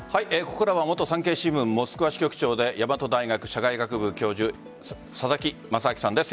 ここからは元産経新聞モスクワ支局長で大和大学社会学部教授佐々木正明さんです。